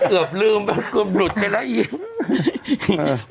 แกเกือบลืมแกเกือบหลุดไปแล้วอีก